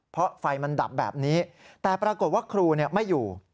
เพราะไฟมันดับแบบนี้แต่ปรากฏว่าครูไม่อยู่